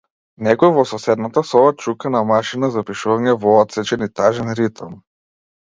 Некој во соседната соба чука на машина за пишување во отсечен и тажен ритам.